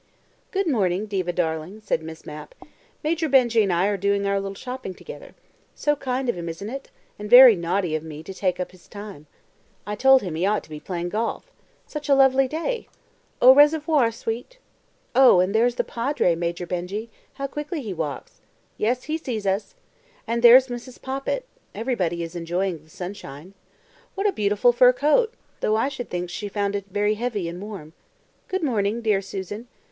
"Good morning, Diva darling," said Miss Mapp. "Major Benjy and I are doing our little shopping together. So kind of him, isn't it? and very naughty of me to take up his time. I told him he ought to be playing golf. Such a lovely day! Au reservoir, sweet! Oh, and there's the Padre, Major Benjy! How quickly he walks! Yes, he sees us! And there's Mrs. Poppit; everybody is enjoying the sunshine. What a beautiful fur coat, though I should think she found it very heavy and warm. Good morning, dear Susan!